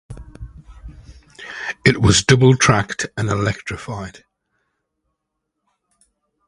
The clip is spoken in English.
It was double-tracked and electrified.